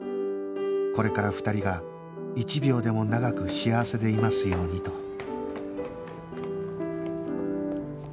これから２人が一秒でも長く幸せでいますようにと